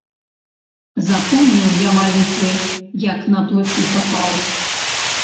Запомніў я малітвы, як на плыты папаў.